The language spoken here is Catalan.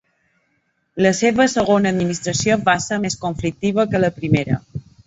La seva segona administració va ser més conflictiva que la primera.